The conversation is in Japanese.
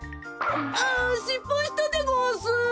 ああっしっぱいしたでごわす。